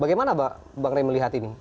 bagaimana mbak raih melihat ini